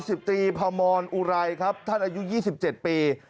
สิบตรีพมรอุไรครับท่านอายุ๒๗ปี